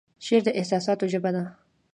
شعر د احساساتو ژبه ده